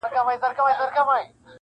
• ترې چاپېر د لويي وني وه ښاخونه -